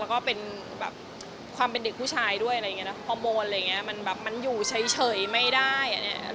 แล้วก็ความเป็นเด็กผู้ชายด้วยฮอร์โมนมันอยู่เฉยไม่ได้